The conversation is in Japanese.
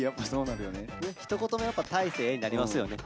ひと言目やっぱ「大晴へ」になりますよね